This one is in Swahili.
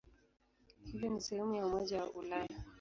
Hivyo ni sehemu ya Umoja wa Ulaya.